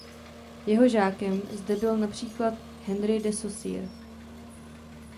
Jeho žákem zde byl například Henri de Saussure.